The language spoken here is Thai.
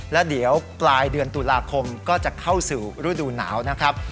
แล้วเดี๋ยวปลายเดือนตุลาคมก็จะเข้าสู่ฤดูหนาวนะครับ